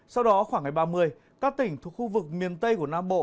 sau đó khoảng ngày ba mươi các tỉnh thuộc khu vực miền tây của nam bộ